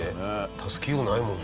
助けようがないもんね。